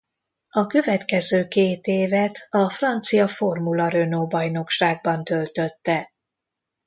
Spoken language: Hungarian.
A következő két évet a francia Formula–Renault-bajnokságban töltötte.